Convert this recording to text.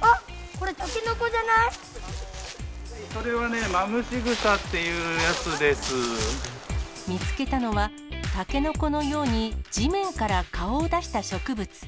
あっ、これ、それはね、マムシグサってい見つけたのは、タケノコのように地面から顔を出した植物。